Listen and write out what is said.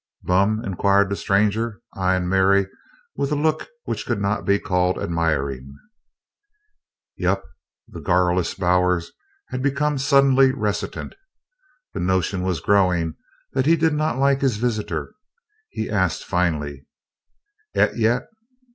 "Bum?" inquired the stranger, eying Mary with a look which could not be called admiring. "Yep." The garrulous Bowers had become suddenly reticent. The notion was growing that he did not like his visitor. He asked finally: "Et yet?"